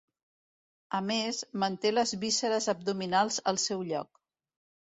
A més, manté les vísceres abdominals al seu lloc.